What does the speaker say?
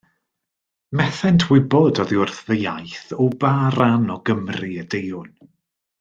Methent wybod oddi wrth fy iaith o ba ran o Gymru y deuwn.